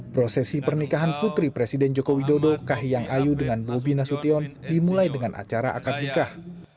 prosesi pernikahan putri presiden joko widodo kahiyang ayu dengan bobi nasution dimulai dengan acara akad nikah